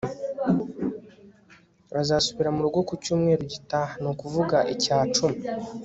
Azasubira murugo ku cyumweru gitaha ni ukuvuga icya cumi